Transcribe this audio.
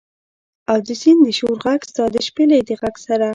او د سیند د شور ږغ، ستا د شپیلۍ د ږغ سره